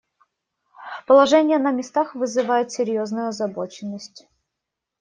Положение на местах вызывает серьезную озабоченность.